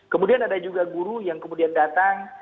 kemudian ada juga guru yang kemudian datang